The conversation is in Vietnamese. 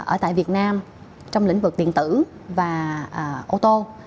ở tại việt nam trong lĩnh vực điện tử và ô tô